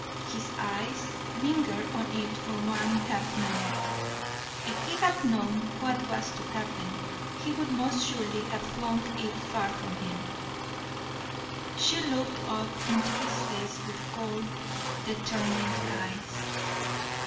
His eyes lingered on it for one half minute; if he had known what was to happen, he would most surely have flung it far from him. She looked up into his face with cold, determined eyes.